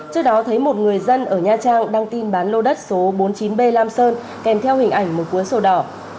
trước đó thấy một người dân ở nha trang đăng tin bán lô đất số bốn mươi chín b lam sơn kèm theo hình ảnh một cuốn sổ đỏ